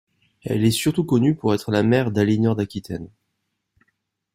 Elle est surtout connue pour être la mère d’Aliénor d'Aquitaine.